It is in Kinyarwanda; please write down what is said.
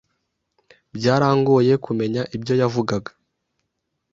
Byarangoye kumenya ibyo yavugaga.